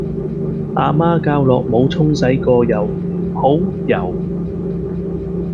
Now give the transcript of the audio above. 阿媽教落冇沖洗過又唔好游